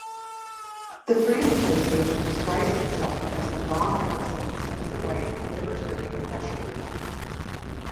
The Freedom Association describes itself as "a non-partisan, centre-right, libertarian pressure group".